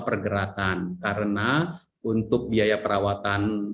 pergerakan karena untuk biaya perawatan